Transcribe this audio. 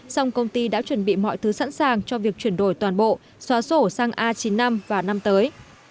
song công ty đã chuẩn bị mọi thứ sẵn sàng cho việc chuyển đổi toàn bộ xóa sổ sang a chín mươi năm vào năm tới